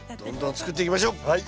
はい。